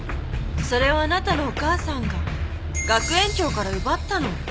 それをあなたのお母さんが学園長から奪ったの。